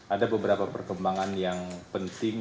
ada beberapa perkembangan yang penting